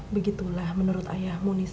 begitulah menurut ayahmu nisa